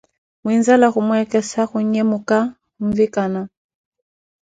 Muinzala khumwekesa, khun'nhemuka khunvikana